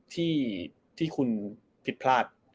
ที่คุณผิดพลาด